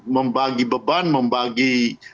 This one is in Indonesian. membagi beban membagi